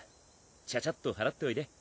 ちゃちゃっと祓っておいで。